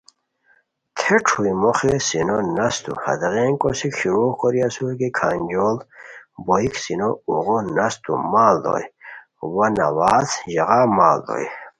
تھے چھوئی مو خی سینو نستو ہیغین کوسیک شروع کوری اسور کی کھانجوڑ بوئیک سینو اوغو نستو ماڑ دوئے وا ناواہڅ ژاغا ماڑ دوئے